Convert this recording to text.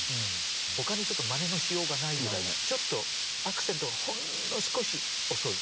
ほかにちょっとまねのしようがないぐらいちょっとアクセントがほんの少し遅い。